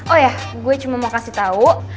oh ya gue cuma mau kasih tahu